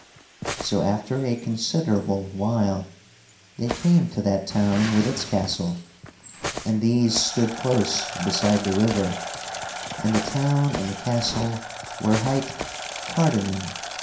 So, after a considerable while, they came to that town with its castle, and these stood close beside the river and the town and the castle were hight Cardennan.